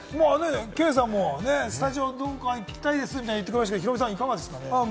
兄さんもスタジオに行きたいですみたいなこと言ってくれましたけれども、ヒロミさんいかがですか？